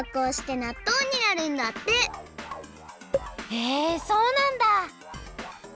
へえそうなんだ。